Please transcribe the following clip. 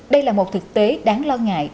đây là một thực tế đáng lo ngại